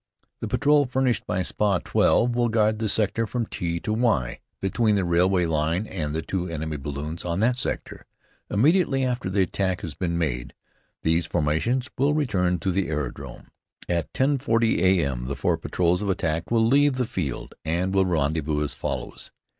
The patrol furnished by Spa. 12 will guard the sector from T to Y, between the railway line and the two enemy balloons on that sector. Immediately after the attack has been made, these formations will return to the aerodrome. At 10.40 A.M. the four patrols of attack will leave the field, and will rendezvous as follows.